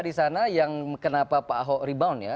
di sana yang kenapa pak ahok rebound ya